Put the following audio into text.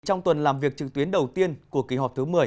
trong tuần làm việc trực tuyến đầu tiên của kỳ họp thứ một mươi